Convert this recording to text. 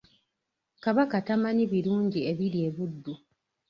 Kabaka tamanyi birungi ebiri e Buddu.